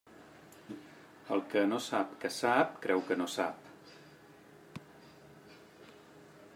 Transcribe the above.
El que no sap que sap, creu que no sap.